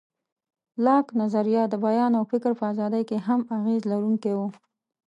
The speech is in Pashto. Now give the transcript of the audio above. لاک نظریه د بیان او فکر په ازادۍ کې هم اغېز لرونکی و.